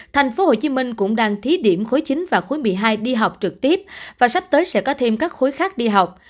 tp hcm cũng đang thí điểm khối chín và khối một mươi hai đi học trực tiếp và sắp tới sẽ có thêm các khối khác đi học